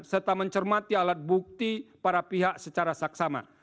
serta mencermati alat bukti para pihak secara saksama